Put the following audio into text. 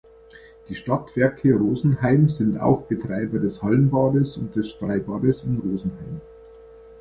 Die Stadtwerke Rosenheim sind auch Betreiber des Hallenbades und des Freibades in Rosenheim.